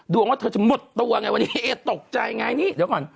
ว่าเธอจะหมดตัวไงวันนี้เอตกใจไงนี่เดี๋ยวก่อน